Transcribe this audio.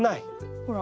ほら。